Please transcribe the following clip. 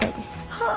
はあ。